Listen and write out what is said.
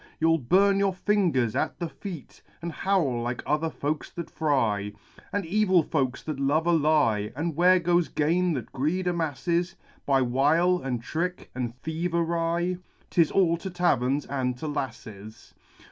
You'll burn your fingers at the feat, And howl like other folks that fry. All evil folks that love a lie ! And where goes gain that greed amasses, By wile, and trick, and thievery ? 'Tis all to taverns and to lasses